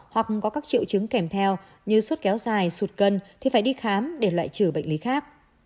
hoặc có các triệu chứng kèm theo như suốt kéo dài sụt cân thì phải đi khám để loại trừ bệnh lý khác